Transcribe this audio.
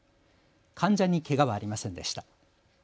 患者にけがはありませんでした。